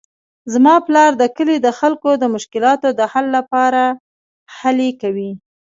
زما پلار د کلي د خلکو د مشکلاتو د حل لپاره هلې کوي